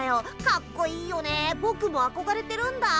かっこいいよねぼくもあこがれてるんだ。